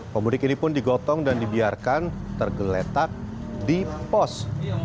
pemudik ini pun digotong dan dibiarkan tergeletak di pos